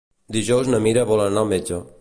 Dijous na Mira vol anar al metge.